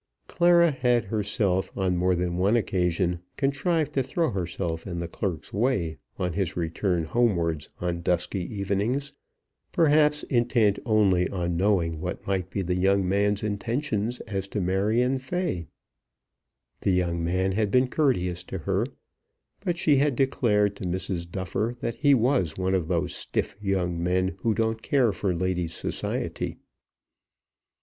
Clara had herself on more than one occasion contrived to throw herself in the clerk's way on his return homewards on dusky evenings, perhaps intent only on knowing what might be the young man's intentions as to Marion Fay. The young man had been courteous to her, but she had declared to Mrs. Duffer that he was one of those stiff young men who don't care for ladies' society.